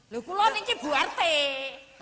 loh pulang ini buartek